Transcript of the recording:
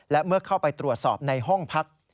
และเมื่อเข้าไปตรวจสอบในห้องพัก